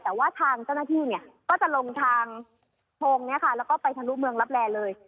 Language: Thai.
แต่ว่าทางเจ้าหน้าที่เนี่ยก็จะลงทางโพงแล้วก็ไปทะลุเมืองรับแร่เลย